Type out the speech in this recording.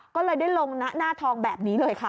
ก็เลยได้ลงหน้าทองแบบนี้เลยค่ะ